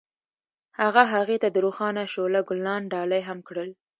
هغه هغې ته د روښانه شعله ګلان ډالۍ هم کړل.